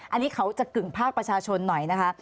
อันนี้เขาจะกึ่งภาคประชาชนหน่อยนะคะ